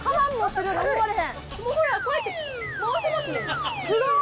こうやって回せますもん。